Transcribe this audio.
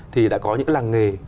thì đã có những làng nghề